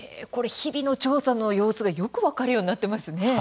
日々の調査の様子がよく分かるようになっていますね。